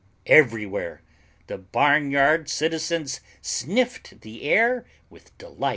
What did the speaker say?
Everywhere the barnyard citizens sniffed the air with delight.